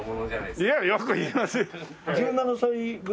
いやあよく言いますよ！